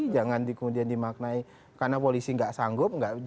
jangan kemudian dimaknai karena polisi nggak sanggup